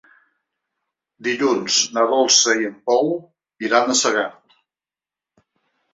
Dilluns na Dolça i en Pol iran a Segart.